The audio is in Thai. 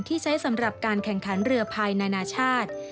ที่ใช้สำหรับการแข่งขันเรือภายนานาชาติ